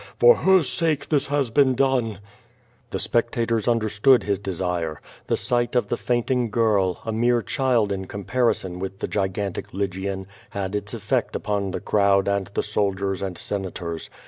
For her sake this has been done." The spectators understood his desire. The sight of the fainting girl, a mere child in comparison with the gigantic Lygian, had its effect upon the crowd and the soldiers and Senators.